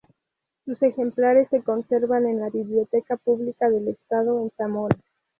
Sus ejemplares se conservan en la Biblioteca Pública del Estado en Zamora.